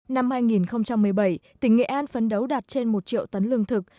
năm hai nghìn một mươi bảy tỉnh nghệ an phấn đấu đạt trên một triệu tấn lương thực